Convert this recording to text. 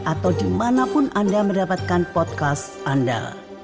atau dimanapun anda mendapatkan podcast anda